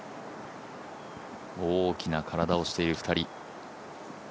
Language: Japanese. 大きな体をしている２人。